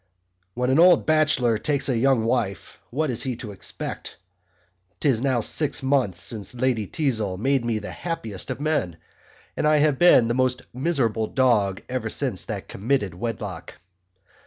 When an old Bachelor takes a young Wife what is He to expect 'Tis now six months since Lady Teazle made me the happiest of men and I have been the most miserable Dog ever since that ever committed wedlock.